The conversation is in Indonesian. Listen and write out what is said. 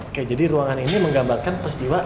oke jadi ruangan ini menggambarkan peristiwa